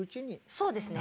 そうですね。